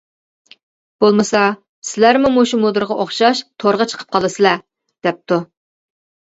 بولمىسا سىلەرمۇ مۇشۇ مۇدىرغا ئوخشاش تورغا چىقىپ قالىسىلەر دەپتۇ.